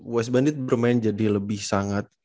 west bandit bermain jadi lebih sangat